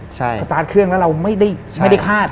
สตาร์ทเครื่องแล้วเราไม่ได้คาด